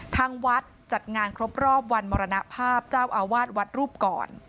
ทางวัดจัดงานครบรอบวันมรณภาพเจ้าอาวาสวัดรูปก่อน